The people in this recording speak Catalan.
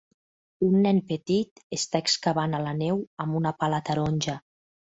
Un nen petit està excavant a la neu amb una pala taronja